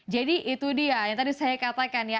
jadi itu dia yang tadi saya katakan ya